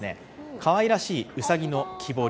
かわいらしい、うさぎの木彫り、